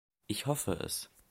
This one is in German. Ich hoffe es!